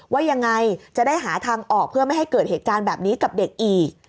ว่ายังไงจะได้หาทางออกเพื่อไม่ให้เกิดเหตุการณ์แบบนี้กับเด็กอีก